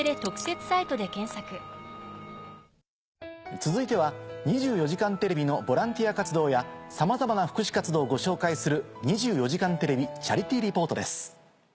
続いては『２４時間テレビ』のボランティア活動やさまざまな福祉活動をご紹介する。